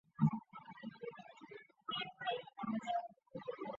圣马特奥站的车站之一。